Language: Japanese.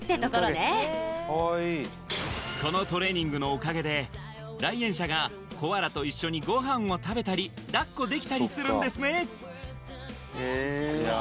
このトレーニングのおかげで来園者がコアラと一緒にごはんを食べたり抱っこできたりするんですね